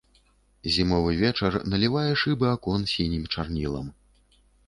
Зімовы вечар налівае шыбы акон сінім чарнілам.